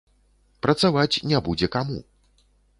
Працаваць не будзе каму.